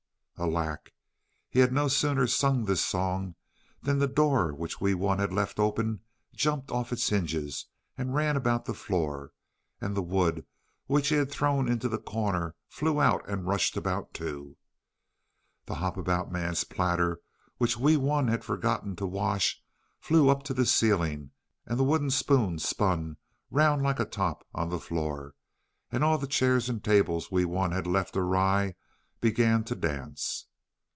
Alack! he had no sooner sung this song than the door which Wee Wun had left open jumped off its hinges and ran about the floor, and the wood which he had thrown into the corner flew out and rushed about too. The Hop about Man's platter, which Wee Wun had forgotten to wash, flew up to the ceiling, and the wooden spoon spun round like a top on the floor, and all the chairs and tables Wee Wun had left awry began to dance.